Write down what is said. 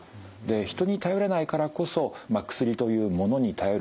人に頼れないからこそ薬というものに頼る。